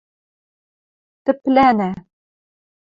тӹплӓнӓ